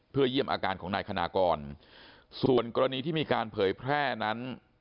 เพื่อเยี่ยมอาการของนายคณากรส่วนกรณีที่มีการเผยแพร่นั้น